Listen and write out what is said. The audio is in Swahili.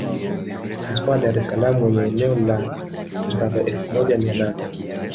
Mkoa wa Dar es Salaam wenye eneo na la mraba efu moja mia nane